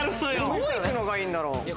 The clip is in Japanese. どう行くのがいいんだろ？